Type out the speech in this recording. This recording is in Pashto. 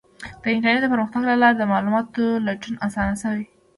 د انټرنیټ د پرمختګ له لارې د معلوماتو لټون اسانه شوی دی.